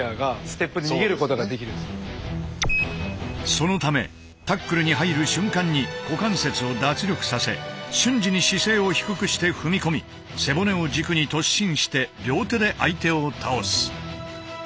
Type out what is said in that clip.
そのためタックルに入る瞬間に股関節を脱力させ瞬時に姿勢を低くして踏み込み背骨を軸に突進して両手で相手を倒す。